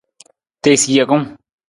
Tiisa jekung.